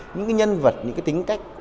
những cái nhân vật những cái tính cách